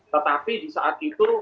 tetapi di saat itu